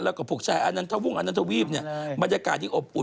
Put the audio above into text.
กระเทยเก่งกว่าเออแสดงความเป็นเจ้าข้าว